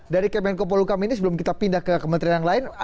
dari kemenko polukam ini sebelum kita pindah ke kementerian yang lain